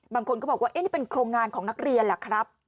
บางคนก็บอกว่านี่เป็นโครงงานของนักเรียนแหละครับ